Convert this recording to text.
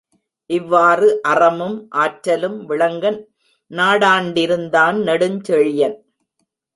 இவ்வாறு அறமும் ஆற்றலும் விளங்க நாடாண் டிருந்தான் நெடுஞ்செழியன்.